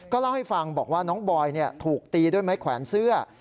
เล่าให้ฟังบอกว่าน้องบอยถูกตีด้วยไม้แขวนเสื้อ